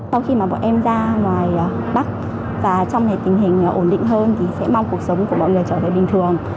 sau khi mà bọn em ra ngoài bắc và trong tình hình ổn định hơn thì sẽ mong cuộc sống của bọn người trở về bình thường